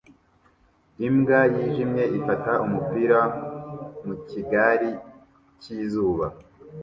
Imbwa yijimye ifata umupira mu gikari cyizuba